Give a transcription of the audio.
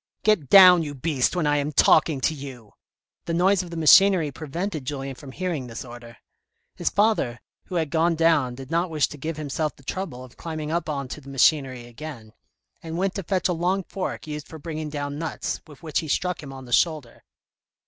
"Get down, you beast, when I am talking to you," the noise of the machinery prevented Julien from hearing this order. His father, who had gone down did not wish to give himself the trouble of climbing up on to the machinery again, and went to fetch a long fork used for bringing down nuts, with which he struck him on the shoulder.